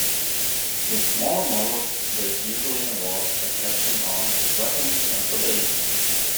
With smaller models this usually involves attaching arms, weapons and the base.